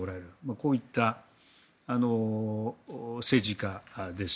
こういった政治家です。